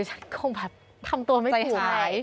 ฉันคงแบบทำตัวไม่ปลูกหาย